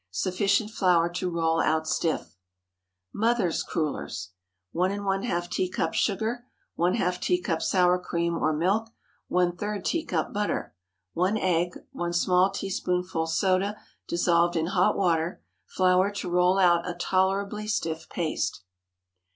Sufficient flour to roll out stiff. "MOTHER'S" CRULLERS. 1½ teacup sugar. ½ teacup sour cream or milk. ⅓ teacup butter. 1 egg. 1 small teaspoonful soda dissolved in hot water. Flour to roll out a tolerably stiff paste.